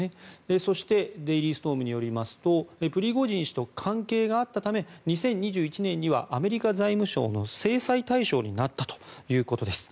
そしてデイリーストームによりますとプリゴジン氏と関係があったため２０２１年にはアメリカ財務省の制裁対象になったということです。